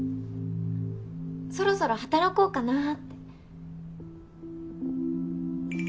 そろそろ働こうかなって。